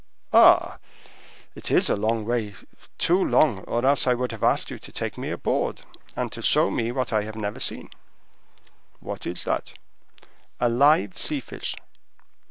"Ah, it is a long way—too long, or else I would have asked you to take me aboard, and to show me what I have never seen." "What is that?" "A live sea fish."